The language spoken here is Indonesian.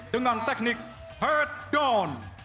dengan teknik head down